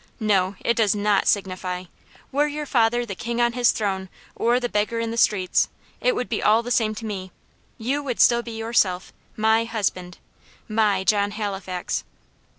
"No, it does NOT signify. Were your father the king on his throne, or the beggar in the streets, it would be all the same to me; you would still be yourself MY husband MY John Halifax."